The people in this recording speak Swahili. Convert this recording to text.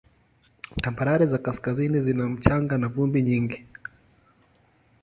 Tambarare za kaskazini zina mchanga na vumbi nyingi.